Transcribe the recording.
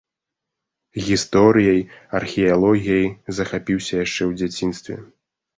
Гісторыяй, археалогіяй захапіўся яшчэ ў дзяцінстве.